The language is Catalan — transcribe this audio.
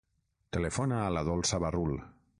Telefona a la Dolça Barrul.